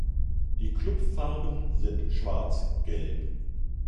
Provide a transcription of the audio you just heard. Die Klubfarben sind Schwarz-Gelb.